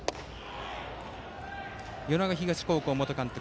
米子東高校元監督